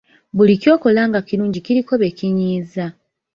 Buli ky’okola nga kirungi kiriko be kinyiiza.